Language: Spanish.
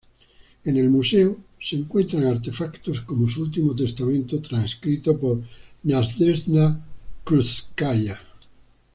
En el museo se encuentran artefactos como su último testamento, transcrito por Nadezhda Krúpskaya.